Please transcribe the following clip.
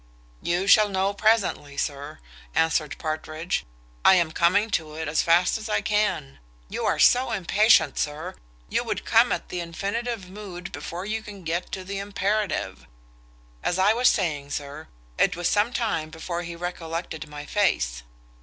"You shall know presently, sir," answered Partridge, "I am coming to it as fast as I can. You are so impatient, sir, you would come at the infinitive mood before you can get to the imperative. As I was saying, sir, it was some time before he recollected my face."